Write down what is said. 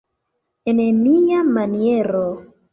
En mia maniero.